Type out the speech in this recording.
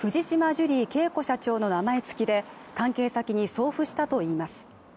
ジュリー景子社長の名前付きで関係先に送付したといいます。